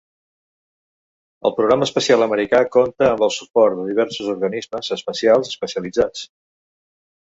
El programa espacial americà compta amb el suport de diversos organismes espacials especialitzats.